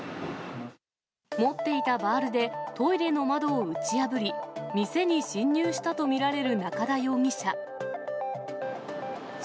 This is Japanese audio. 持っていたバールでトイレの窓を打ち破り、店に侵入したと見られる中田容疑者。